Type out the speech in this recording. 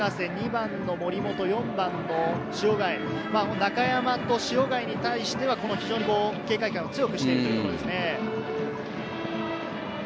中山と塩貝に対しては非常に警戒感を強くしているということですね。